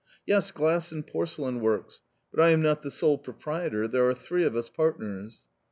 " Yes, glass and porcelain works : but I am not the sole proprietor, mere are three of us partners."